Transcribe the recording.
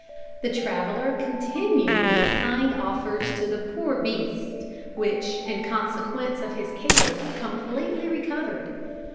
The traveller continued his kind offices to the poor beast, which, in consequence of his care, completely recovered.